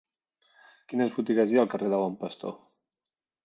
Quines botigues hi ha al carrer del Bon Pastor?